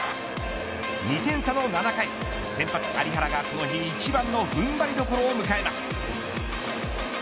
２点差の７回先発、有原がこの日一番の踏ん張りどころを迎えます。